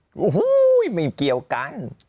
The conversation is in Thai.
โอ้โหไม่เกี่ยวกัน